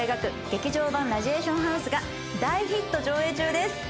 『劇場版ラジエーションハウス』が大ヒット上映中です。